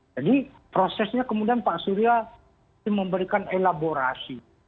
jadi prosesnya kemudian pak surya memberikan elaborasi